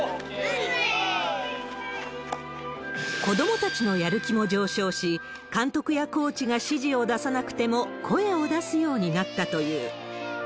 子どもたちのやる気も上昇し、監督やコーチが指示を出さなくても声を出すようになったという。